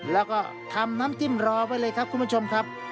แล้วก็ทำน้ำจิ้มรอไว้เลยครับคุณผู้ชมครับ